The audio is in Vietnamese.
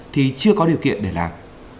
thì chưa có điều kiện để làm